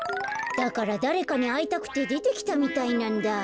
だからだれかにあいたくてでてきたみたいなんだ。